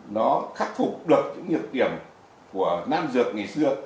nó khắc phục được những nhược điểm của nam dược ngày xưa